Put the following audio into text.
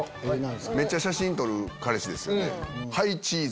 めっちゃ写真撮る彼氏ですよね。